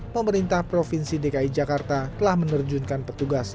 pemerintah provinsi dki jakarta telah menerjunkan petugas